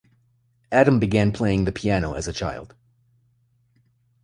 Adam began playing the piano as a child.